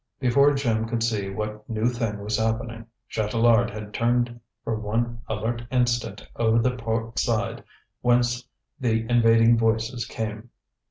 Before Jim could see what new thing was happening, Chatelard had turned for one alert instant toward the port side, whence the invading voices came.